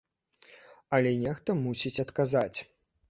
Але нехта мусіць адказаць.